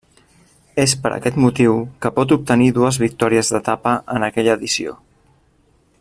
És per aquest motiu que pot obtenir dues victòries d'etapa en aquella edició.